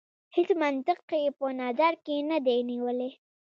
هیڅ منطق یې په نظر کې نه دی نیولی.